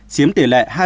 chiếm tỉ lệ là một ca